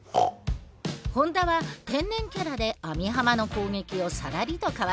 本田は天然キャラで網浜の攻撃をさらりとかわす。